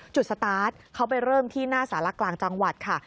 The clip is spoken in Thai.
สตาร์ทเขาไปเริ่มที่หน้าสารกลางจังหวัดค่ะ